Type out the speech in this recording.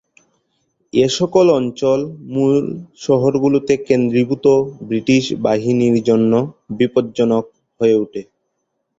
এসকল অঞ্চল মূল শহরগুলোতে কেন্দ্রীভূত ব্রিটিশ বাহিনীর জন্য বিপজ্জনক হয়ে উঠে।